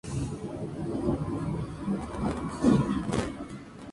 Gen la salva de una muerte segura.